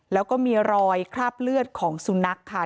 แล้วก็มีรอยคราบเลือดของสุนัขค่ะ